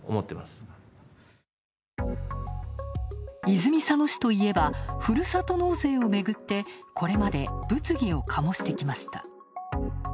泉佐野市といえば、ふるさと納税をめぐってこれまで、物議を醸してきました。